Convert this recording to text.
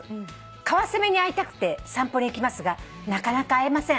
「カワセミに会いたくて散歩に行きますがなかなか会えません」